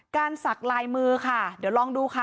สักลายมือค่ะเดี๋ยวลองดูค่ะ